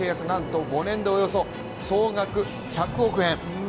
なんと５年でおよそ総額１００億円。